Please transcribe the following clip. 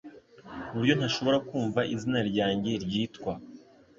ku buryo ntashobora kumva izina ryanjye ryitwa